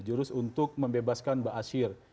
jurus untuk membebaskan mbak ashir